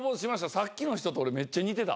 さっきの人と俺めっちゃ似てた。